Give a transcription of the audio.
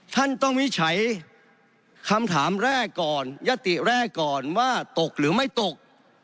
ท่านต้องวิจัยคำถามแรกก่อนยติแรกก่อนว่าตกหรือไม่ตก